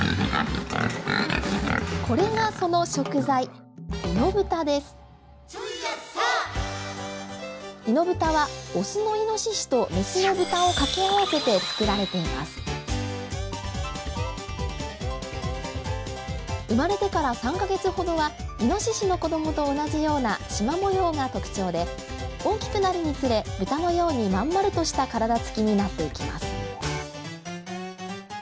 これがその食材猪豚はオスの猪とメスの豚を掛け合わせて作られています生まれてから３か月ほどはイノシシの子どもと同じようなしま模様が特徴で大きくなるにつれ豚のように真ん丸とした体つきになっていきます